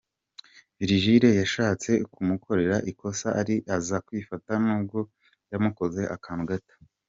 Virgil yashatse kumukorera ikosa ariko aza kwifata nubwo yamukozeho akantu gato.